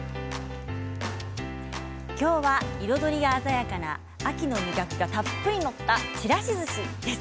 彩りが鮮やかな秋の味覚がたっぷりと載ったちらしずしです。